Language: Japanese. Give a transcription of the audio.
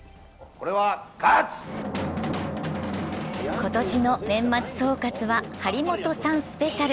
今年の年末総喝は張本さんスペシャル。